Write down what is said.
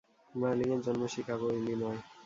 মার্লিং-এর জন্ম Chicago, Illinois.